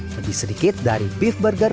lebih sedikit dari beef burger